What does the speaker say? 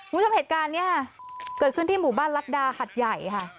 คุณผู้ชมเหตุการณ์นี้เกิดขึ้นที่หมู่บ้านรัฐดาหัดใหญ่ค่ะ